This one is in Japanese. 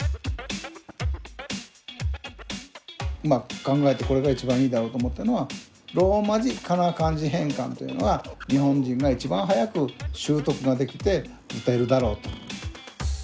まあ考えてこれが一番いいだろうと思ったのはローマ字かな漢字変換というのが日本人が一番早く習得ができて打てるだろうと。